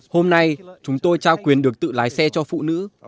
hôm nay chúng tôi trao quyền được tự lái xe cho phụ nữ